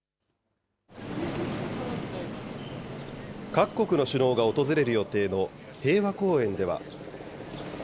各国の首脳が訪れる予定の平和公園では。